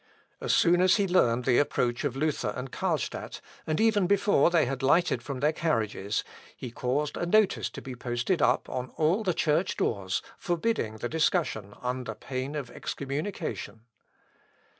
As soon as he learned the approach of Luther and Carlstadt, and even before they had lighted from their carriages, he caused a notice to be posted up on all the church doors forbidding the discussion under pain of excommunication.